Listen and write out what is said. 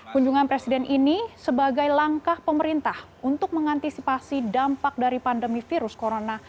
kunjungan presiden ini sebagai langkah pemerintah untuk mengantisipasi dampak dari pandemi virus corona